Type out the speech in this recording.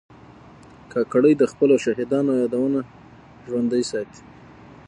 کاکړي د خپلو شهیدانو یادونه ژوندي ساتي.